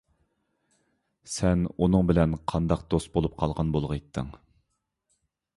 سەن ئۇنىڭ بىلەن قانداق دوست بولۇپ قالغان بولغىيتتىڭ!